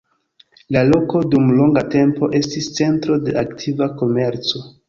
La loko dum longa tempo estis centro de aktiva komerco.